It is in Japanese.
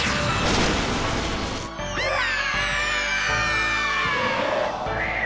うわ！